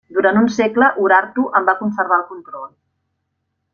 Durant un segle Urartu en va conservar el control.